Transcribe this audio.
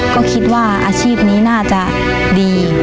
ก็คิดว่าอาชีพนี้น่าจะดี